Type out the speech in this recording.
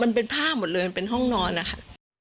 มันเป็นผ้าหมดเลยมันเป็นห้องนอนนะคะ